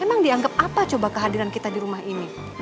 emang dianggap apa coba kehadiran kita di rumah ini